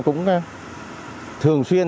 cũng thường xuyên